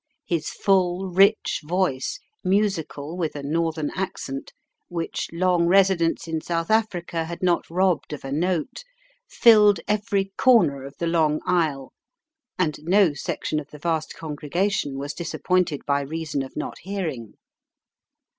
His full, rich voice, musical with a northern accent, which long residence in South Africa had not robbed of a note, filled every corner of the long aisle, and no section of the vast congregation was disappointed by reason of not hearing.